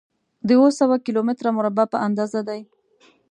د اووه سوه کيلو متره مربع په اندازه دی.